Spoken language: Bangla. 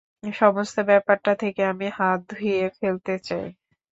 সমস্ত ব্যাপারটা থেকে আমি হাত ধুয়ে ফেলতে চাই।